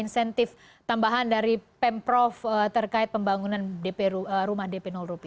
insentif tambahan dari pemprov terkait pembangunan rumah dp rupiah